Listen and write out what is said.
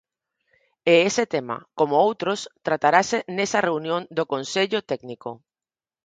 E ese tema, como outros, tratarase nesa reunión do consello técnico.